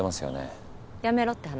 やめろって話？